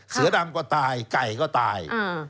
เสือดำก็ตายไก่ก็ตาย